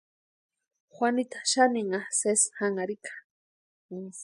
Juanita xaninha sesi janharhika.